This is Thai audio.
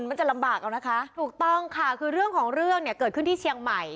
มันจะลำบากแล้วนะคะถูกต้องค่ะคือเรื่องของเรื่องเนี่ยเกิดขึ้นที่เชียงใหม่